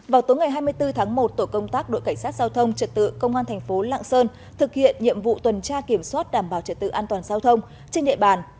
vào tối ngày hai mươi bốn tháng một tổ công tác đội cảnh sát giao thông trật tự công an thành phố lạng sơn thực hiện nhiệm vụ tuần tra kiểm soát đảm bảo trật tự an toàn giao thông trên địa bàn